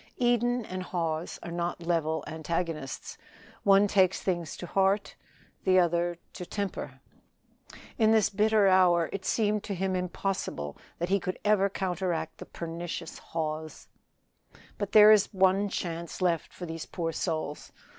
Eden and Hawes are not level antagonists one takes things to heart, the other to temper. In this bitter hour it seemed to him impossible that he could ever counteract the pernicious Hawes. "There is but one chance left for these poor souls.